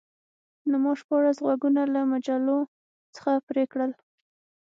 نو ما شپاړس غوږونه له مجلو څخه پرې کړل